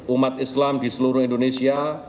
umat islam di seluruh indonesia